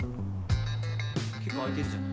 結構空いてんじゃん。